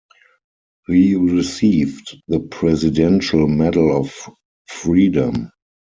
He received the Presidential Medal of Freedom.